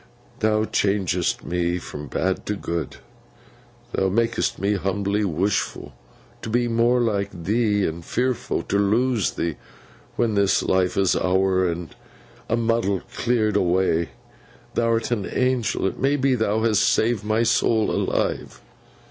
'Thou changest me from bad to good. Thou mak'st me humbly wishfo' to be more like thee, and fearfo' to lose thee when this life is ower, and a' the muddle cleared awa'. Thou'rt an Angel; it may be, thou hast saved my soul alive!